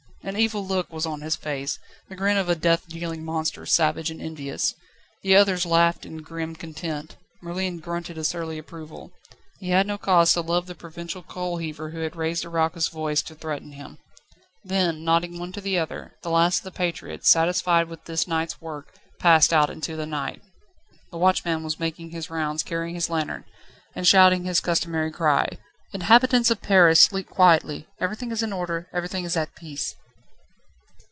An evil look was on his face: the grin of a death dealing monster, savage and envious. The others laughed in grim content. Merlin grunted a surly approval. He had no cause to love the provincial coal heaver who had raised a raucous voice to threaten him. Then, nodding to one another, the last of the patriots, satisfied with this night's work, passed out into the night. The watchman was making his rounds, carrying his lantern, and shouting his customary cry: "Inhabitants of Paris, sleep quietly. Everything is in order, everything is at peace."